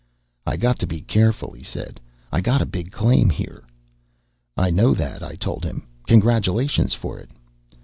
"I got to be careful," he said. "I got a big claim here." "I know that," I told him. "Congratulations for it."